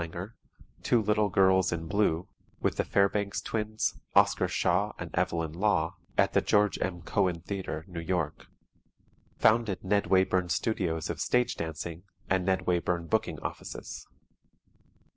Erlanger: "Two Little Girls in Blue" (with the Fairbanks Twins, Oscar Shaw and Evelyn Law), at the George M. Cohan Theatre, N.Y. Founded Ned Wayburn Studios of Stage Dancing and Ned Wayburn Booking Offices.